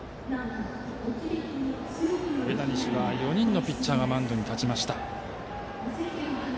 上田西は４人のピッチャーがマウンドに立ちました。